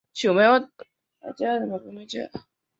维也纳森林儿童合唱团。